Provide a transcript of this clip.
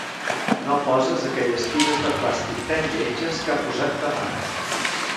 No poses aquelles tires de plàstic tan lletges que ha posat ta mare.